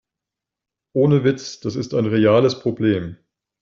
Ohne Witz, das ist ein reales Problem.